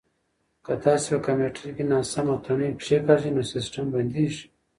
که تاسي په کمپیوټر کې ناسم تڼۍ کېکاږئ نو سیسټم بندیږي.